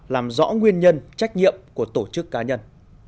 làm rõ nguyên nhân trách nhiệm của tổ chức cá nhân